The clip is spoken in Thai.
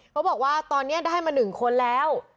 เขาบอกว่าตอนนี้ได้มา๑คนแล้ว